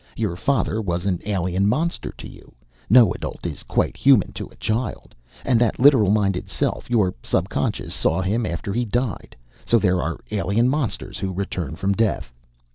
Your father was an alien monster to you no adult is quite human to a child. And that literal minded self, your subconscious, saw him after he died. So there are alien monsters who return from death.